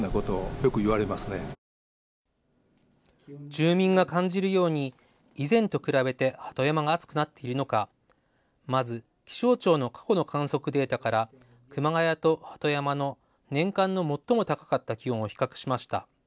住民が感じるように以前と比べて鳩山が暑くなっているのかまず、気象庁の過去の観測データから熊谷と鳩山の年間の最も高かった気温を比較しました。